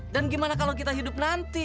dan gimana kalau kita hidup nanti